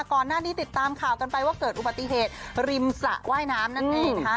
ก่อนหน้านี้ติดตามข่าวกันไปว่าเกิดอุบัติเหตุริมสะว่ายน้ำนั่นนี่ค่ะ